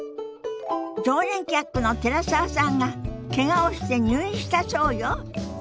常連客の寺澤さんがけがをして入院したそうよ。